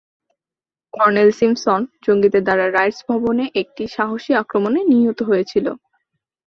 Colonel Simpson জঙ্গিদের দ্বারা Writers ভবনে একটি সাহসী আক্রমণে নিহত হয়েছিল।